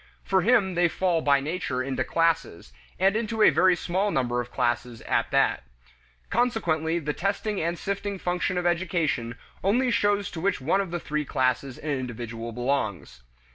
For him they fall by nature into classes, and into a very small number of classes at that. Consequently the testing and sifting function of education only shows to which one of three classes an individual belongs.